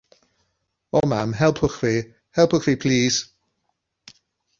O mam, helpwch fi, helpwch fi plîs!